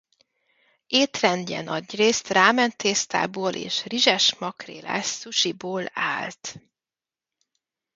Étrendje nagyrészt rámen tésztából és rizses-makrélás szusiból állt.